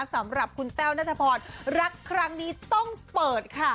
สำหรับคุณแต้วนัทพรรักครั้งนี้ต้องเปิดค่ะ